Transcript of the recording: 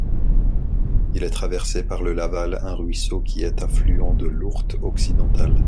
Il est traversé par le Laval, un ruisseau qui est affluent de l'Ourthe occidentale.